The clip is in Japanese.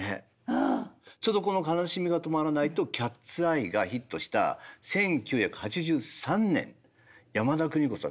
ちょうどこの「悲しみがとまらない」と「ＣＡＴ’ＳＥＹＥ」がヒットした１９８３年山田邦子さん